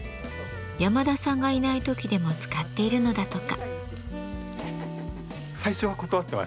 山田さんがいない時でも使っているのだとか。